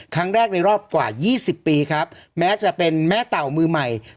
ครั้งแรกในรอบกว่า๒๐ปีครับแม้จะเป็นแม่เต่ามือใหม่